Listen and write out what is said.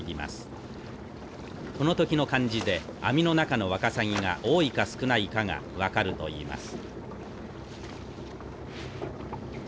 この時の感じで網の中のワカサギが多いか少ないかが分かるといいます。